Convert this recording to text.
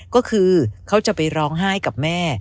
ก็คือเขาจะไปร้องไห้กับแม่